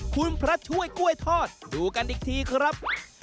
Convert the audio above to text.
คุณพระช่วยกล้วยทอดดูกันอีกทีครับ